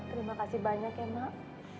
terima kasih banyak ya mak